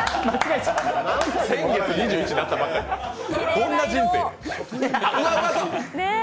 先月２１になったばっかりどんな人生や。